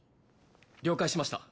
了解しました